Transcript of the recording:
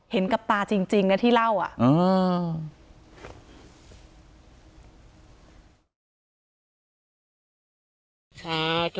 เห็นกับป้าจริงจริงนะที่เล่าอ่ะอ๋อ